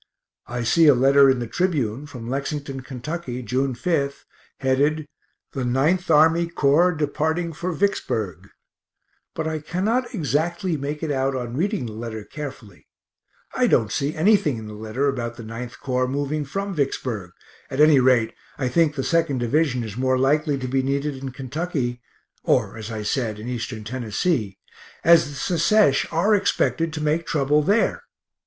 I see a letter in the Tribune from Lexington, Ky., June 5th, headed "The 9th Army Corps departing for Vicksburg" but I cannot exactly make it out on reading the letter carefully I don't see anything in the letter about the 9th Corps moving from Vicksburg; at any rate I think the 2nd division is more likely to be needed in Kentucky (or as I said, in Eastern Tennessee), as the Secesh are expected to make trouble there.